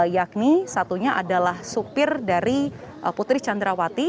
yakni satunya adalah supir dari putri candrawati